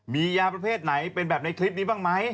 มียาประเภทไหนเป็นแบบในคลิปนี้บ้างไหม